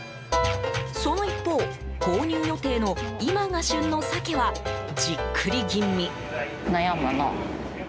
その一方、購入予定の今が旬のサケはじっくり吟味。